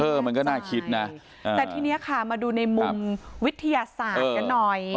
มันก็น่าคิดนะแต่ทีนี้ค่ะมาดูในมุมวิทยาศาสตร์กันหน่อย